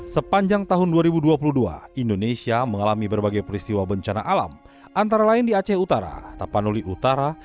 sepanjang tahun dua ribu dua puluh dua indonesia mengalami berbagai peristiwa bencana alam antara lain di aceh utara tapanuli utara